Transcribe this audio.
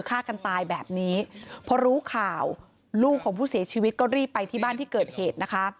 ฆ่ากันตายแบบนี้พอรู้ข่าวลูกของผู้เสียชีวิตก็รีบไปที่บ้านที่เกิดเหตุนะคะ